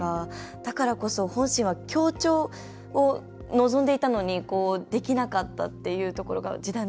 だからこそ本心は協調を望んでいたのにできなかったっていうところが時代の難しさというか。